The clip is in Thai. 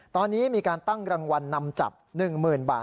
ตอนนี้มีการตั้งรางวัลนำจับ๑๐๐๐บาท